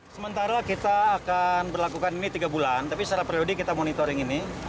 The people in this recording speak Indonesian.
sementara kita akan berlakukan ini tiga bulan tapi secara periodik kita monitoring ini